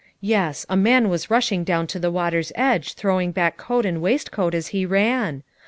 Yes— a man was rushing down to the water's edge throwing hack coat and waistcoat as he ran.